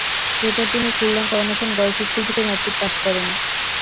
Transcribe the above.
এরপর তিনি Khulna Coronation Girls School থেকে মেট্রিক পাস করেন।